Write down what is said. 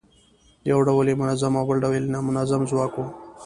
یو ډول یې منظم او بل ډول یې نامنظم ځواک و.